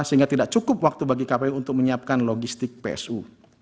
sehingga tidak cukup waktu bagi kpu untuk menyiapkan logistik psu